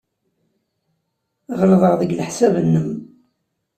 Ɣelḍeɣ deg leḥsab-nnem.